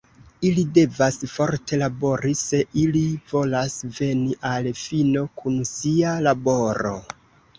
Ili devas forte labori, se ili volas veni al fino kun sia laboro.